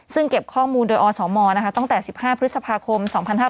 ซึ่งเก็บข้อมูลโดยอสมตั้งแต่๑๕พฤษภาคม๒๕๕๙